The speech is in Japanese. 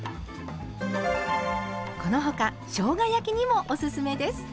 この他しょうが焼きにもおすすめです。